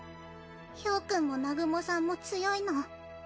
豹君も南雲さんも強いの。